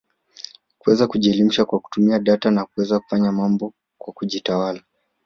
kuweza kujielimisha kwa kutumia data na kuweza kufanya mambo kwa kujitawala